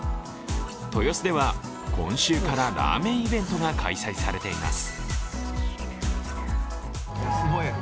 豊洲では今週からラーメンイベントが開催されています。